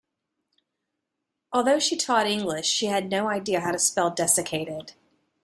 Although she taught English, she had no idea how to spell desiccated.